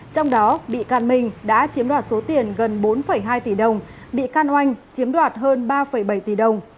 trong đó bị can minh đã chiếm đoạt số tiền gần bốn hai tỷ đồng bị can oanh chiếm đoạt hơn ba bảy tỷ đồng